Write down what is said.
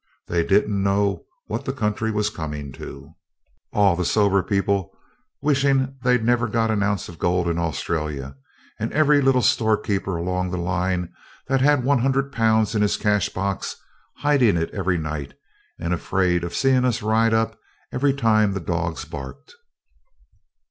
They didn't know what the country was coming to; all the sober going people wishing they'd never got an ounce of gold in Australia, and every little storekeeper along the line that had 100 Pounds in his cash box hiding it every night and afraid of seeing us ride up every time the dogs barked.